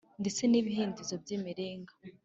ndetse n`ibihindizo by`imiringa